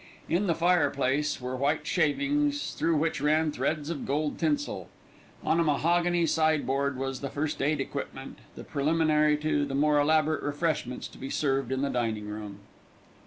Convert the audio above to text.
In the fireplace were white shavings through which ran threads of gold tinsel. On a mahogany sideboard was the first aid equipment, the preliminary to the more elaborate refreshments to be served in the dining room.